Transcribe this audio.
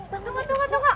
tunggu tunggu tunggu